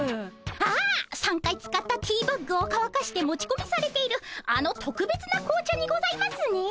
ああ３回使ったティーバッグをかわかして持ちこみされているあのとくべつな紅茶にございますね。